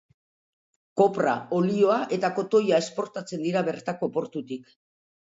Kopra, olioa eta kotoia esportatzen dira bertako portutik.